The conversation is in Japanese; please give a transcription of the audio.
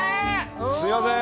すいません。